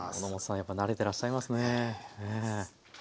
やっぱり慣れてらっしゃいますね。